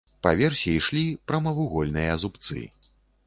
Па версе ішлі прамавугольныя зубцы.